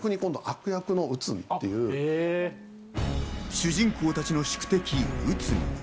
主人公たちの宿敵・内海。